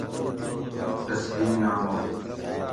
تصحیح نامہ